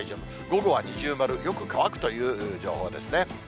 午後は二重丸、よく乾くという情報ですね。